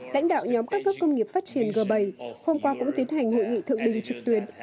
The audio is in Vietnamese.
lãnh đạo nhóm các nước công nghiệp phát triển g bảy hôm qua cũng tiến hành hội nghị thượng đỉnh trực tuyến